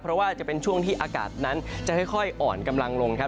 เพราะว่าจะเป็นช่วงที่อากาศนั้นจะค่อยอ่อนกำลังลงครับ